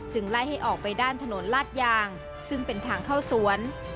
ไล่ให้ออกไปด้านถนนลาดยางซึ่งเป็นทางเข้าสวน